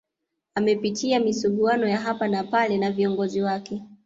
Amepitia misuguano ya hapa na pale na viongozi wake